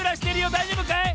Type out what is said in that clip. だいじょうぶかい？